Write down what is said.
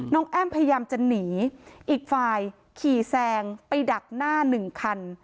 แอ้มพยายามจะหนีอีกฝ่ายขี่แซงไปดักหน้าหนึ่งคัน